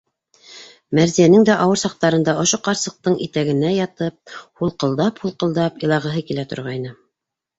Мәҙинәнең дә ауыр саҡтарында, ошо ҡарсыҡтың итәгенә ятып, һулҡылдап-һулҡылдап илағыһы килә торғайны.